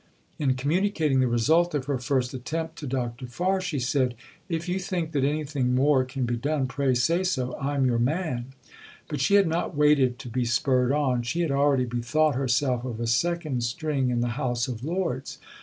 In communicating the result of her first attempt to Dr. Farr, she said, "If you think that anything more can be done, pray say so. I'm your man." But she had not waited to be spurred on. She had already bethought herself of a second string in the House of Lords.